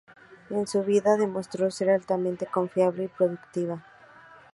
En su vida, demostró ser altamente confiable y productiva.